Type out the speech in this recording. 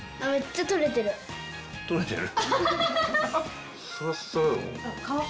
取れてる？